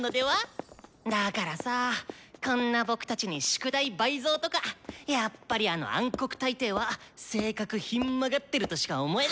だからさこんな僕たちに宿題倍増とかやっぱりあの暗黒大帝は性格ひん曲がってるとしか思えない。